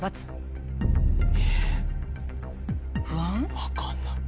分かんない。